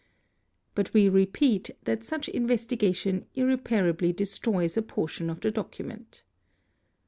But we repeat that such investi gation irreparably destroys a portion of the document.